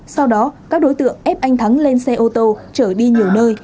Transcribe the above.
sau đó các đối tượng ép anh thắng lên xe ô tô trở đi nhiều nơi